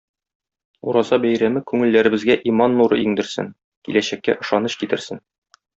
Ураза бәйрәме күңелләребезгә иман нуры иңдерсен, киләчәккә ышаныч китерсен.